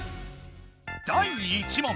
第１問。